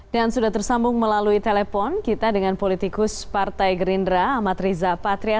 dan sudah tersambung melalui telepon kita dengan politikus partai gerindra amat riza patria